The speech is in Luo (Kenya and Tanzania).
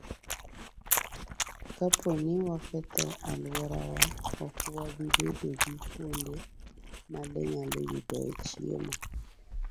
Kapo ni waketho alworawa, ok wabi bedo gi kuonde ma le nyalo yudoe chiemo.